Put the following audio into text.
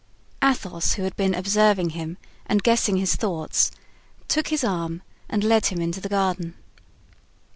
Athos, who had been observing him and guessing his thoughts, took his arm and led him into the garden.